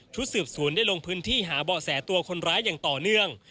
สืบสวนได้ลงพื้นที่หาเบาะแสตัวคนร้ายอย่างต่อเนื่อง